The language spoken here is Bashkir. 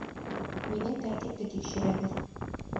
Минең тәртипте тикшерәбеҙ.